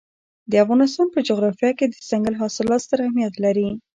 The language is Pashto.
د افغانستان په جغرافیه کې دځنګل حاصلات ستر اهمیت لري.